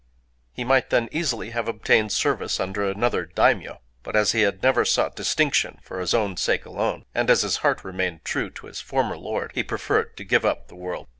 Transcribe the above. He might then easily have obtained service under another daimyō; but as he had never sought distinction for his own sake alone, and as his heart remained true to his former lord, he preferred to give up the world.